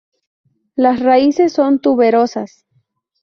Las raíces son tuberosas.